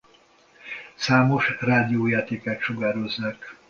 Számos rádiójátékát sugározzák.